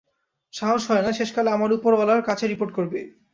সাহস হয় না, শেষকালে আমার উপরওয়ালার কাছে রিপোর্ট করবি!